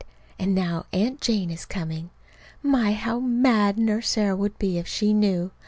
And now Aunt Jane is coming. My! how mad Nurse Sarah would be if she knew.